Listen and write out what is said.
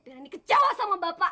rani kecewa sama bapak